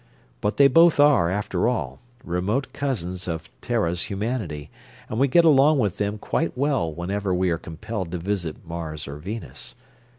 But they both are, after all, remote cousins of Terra's humanity, and we get along with them quite well whenever we are compelled to visit Mars or Venus.